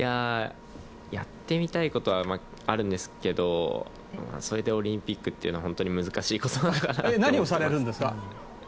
やってみたいことはあるんですけどそれでオリンピックというのは本当に難しいことだからと思います。